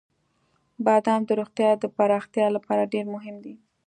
• بادام د روغتیا د پراختیا لپاره ډېر مهم دی.